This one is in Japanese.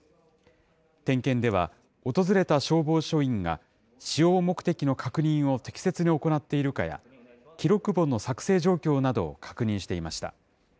点検では、訪れた消防署員が、使用目的の確認を適切に行っているかや、記録簿の作成状況などを確認していました。